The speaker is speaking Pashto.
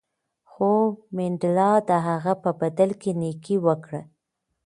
خو منډېلا د هغه په بدل کې نېکي وکړه.